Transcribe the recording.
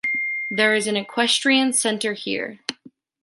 There is an equestrian center here.